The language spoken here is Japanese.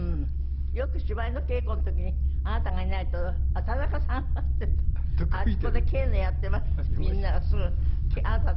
よく芝居の稽古の時にあなたがいないと「田中さんは？」って言うと「あそこでケーナやっています」ってみんながすぐあなたといえばケーナ。